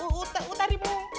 uh tadi mau